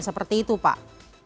seperti itu pak